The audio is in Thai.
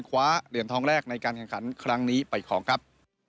คว้าเหรียญทองแรกในการแข่งขันครั้งนี้ไปครองครับ